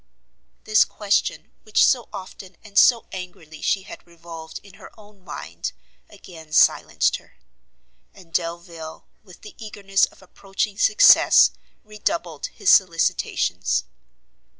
This question, which so often and so angrily she had revolved in her own mind, again silenced her; and Delvile, with the eagerness of approaching success, redoubled his solicitations.